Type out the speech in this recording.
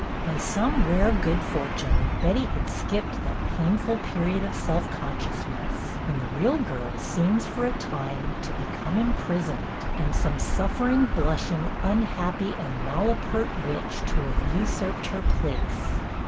By some rare good fortune Betty had skipped that painful period of self consciousness, when the real girl seems, for a time, to become impris oned, and some suffering, blushing, unhappy 266 BETTY BAIRD and malapert witch to have usurped her place.